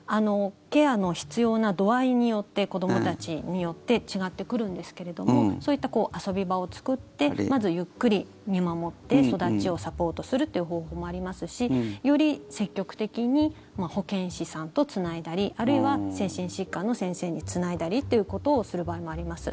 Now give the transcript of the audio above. ケアの必要な度合いによって子どもたちによって違ってくるんですけれどもそういった遊び場を作ってまずゆっくり見守って育ちをサポートするという方法もありますしより積極的に保健師さんとつないだりあるいは精神疾患の先生につないだりっていうことをする場合もあります。